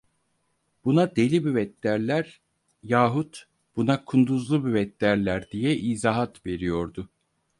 "Buna Deli Büvet derler!" Yahut: "Buna Kunduzlu Büvet derler!" diye izahat veriyordu.